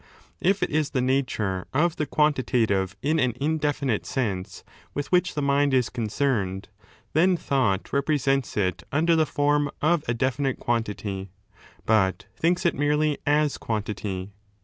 If 6 it is the nature of the quantitative in an indefinite sense •with which the mind is concerned, then thought represents 'ft under the form of a definite quantity, but thinks it merely as quantity.